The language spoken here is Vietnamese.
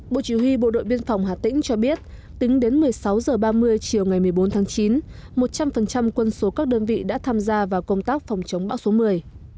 bộ chỉ huy bộ đội biên phòng hà tĩnh cho biết tính đến một mươi sáu h ba mươi chiều ngày một mươi bốn tháng chín một trăm linh quân số các đơn vị đã tham gia vào công tác phòng chống bão số một mươi